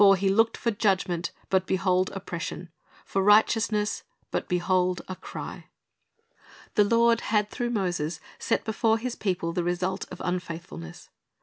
He looked for judgment, but behold oppression; for righteousness, but behold a cry."^ The Lord had through Moses set before His people the result of unfaithfulness.